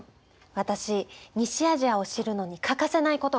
私「西アジア」を知るのに欠かせないことがあると思うんです。